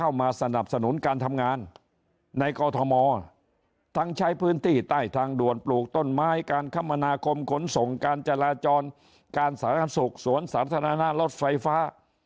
มาสนับสนุนการทำงานในกอทมทั้งใช้พื้นที่ใต้ทางด่วนปลูกต้นไม้การคมนาคมขนส่งการจราจรการสาธารณสุขสวนสาธารณะรถไฟฟ้า